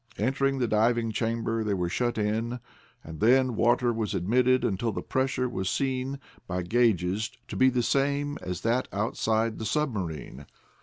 Entering the diving chamber, they were shut in, and then water was admitted until the pressure was seen, by gauges, to be the same as that outside the submarine.